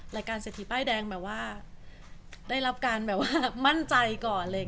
รายการเศรษฐีป้ายแดงแบบว่าได้รับการแบบว่ามั่นใจก่อนเลย